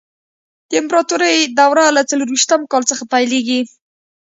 د امپراتورۍ دوره له څلور ویشتم کال څخه پیل شوه.